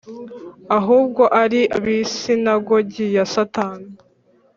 ahubwo ari ab’isinagogi ya Satani.